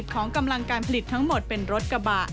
ของกำลังการผลิตทั้งหมดเป็นรถกระบะ